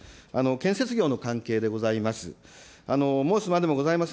建設業の関係でございます。